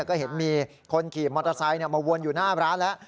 ก็เห็นมีคนขี่มอเตอร์ไซค์มาวนอยู่หน้าร้านแล้ว